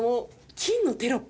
金のテロップ。